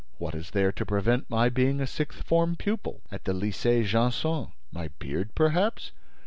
What is there to prevent my being a sixth form pupil at the Lycée Janson? My beard, perhaps?